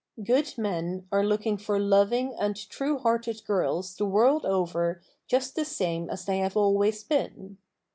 Good men are looking for loving and true hearted girls the world over just the same as they have always been.